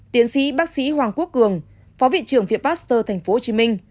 tiến sĩ bác sĩ hoàng quốc cường phó viện trưởng viện pasteur tp hcm